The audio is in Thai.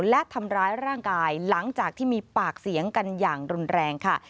และทำร้ายร่างกายหลังจากที่มีปากเสียงกันอย่างรุนแรงค่ะ